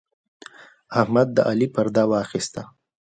احمد د علي پرده واخيسته.